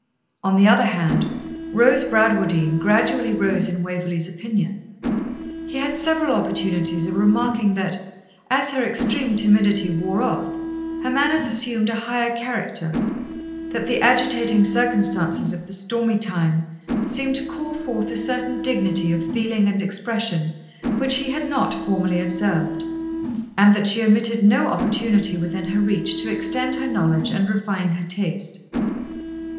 On the other hand, Rose Bradwardine gradually rose in Waverley's opinion. He had several opportunities of remarking that, as her extreme timidity wore off, her manners assumed a higher character; that the agitating circumstances of the stormy time seemed to call forth a certain dignity of feeling and expression which he had not formerly observed; and that she omitted no opportunity within her reach to extend her knowledge and refine her taste.